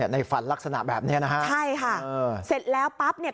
ในฟันลักษณะแบบเนี้ยนะฮะใช่ค่ะเสร็จแล้วปั๊บเนี่ย